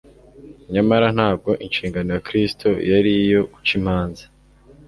Nyamara ntabwo inshingano ya Kristo yari iyo guca imanza